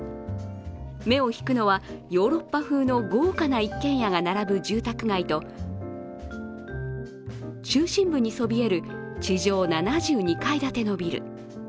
目を引くのはヨーロッパ風の豪華な一軒家が並ぶ住宅街と中心部にそびえる地上７２階建てのビル。